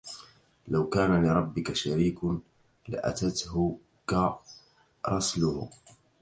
لو كان لربّك شريك لأتتك رسله.